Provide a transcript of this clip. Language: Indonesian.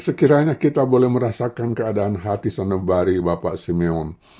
sekiranya kita boleh merasakan keadaan hati senebari bapak simeon